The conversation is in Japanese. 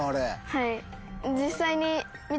はい。